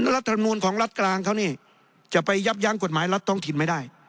รัฐธรรมนูลของรัฐกลางเขานี่จะไปยับยั้งกฎหมายรัฐท้องถิ่นไม่ได้